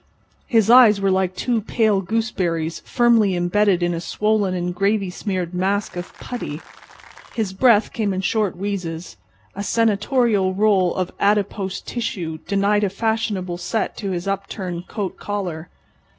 His eyes were like two pale gooseberries firmly imbedded in a swollen and gravy smeared mask of putty. His breath came in short wheezes; a senatorial roll of adipose tissue denied a fashionable set to his upturned coat collar.